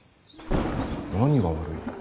何が悪い。